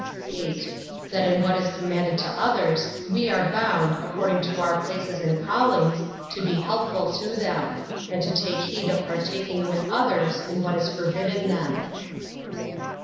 8. That in what is commanded to others, we are bound, according to our places and callings, to be helpful to them; and to take heed of partaking with others in what is forbidden them.